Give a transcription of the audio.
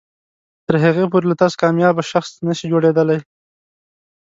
تر هغې پورې له تاسو کاميابه شخص نشي جوړیدلی